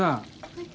はい。